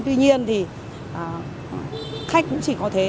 tuy nhiên thì khách cũng chỉ có thế